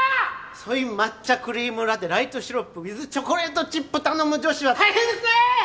ソイ抹茶クリームラテライトシロップウィズチョコレートチップ頼む女子は大変ですねー！